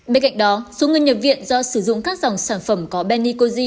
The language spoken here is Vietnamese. bên cạnh đó số người nhập viện do sử dụng các dòng sản phẩm có benicozi